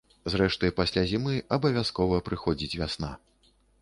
Зрэшты, пасля зімы абавязкова прыходзіць вясна.